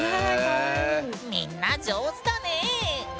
みんな上手だね。